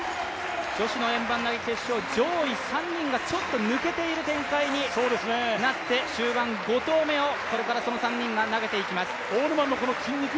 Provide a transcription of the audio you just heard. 女子の円盤投決勝上位３人がちょっと抜けている展開になって終盤、５投目をこれからこの３人が投げていきます